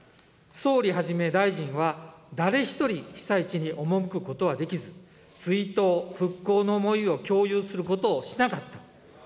総理はじめ大臣は、誰一人被災地に赴くことはできず、追悼、復興の思いを共有することをしなかった。